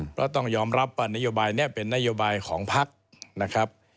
เพราะต้องยอมรับว่านโยบายนี้เป็นนโยบายของพักนะครับ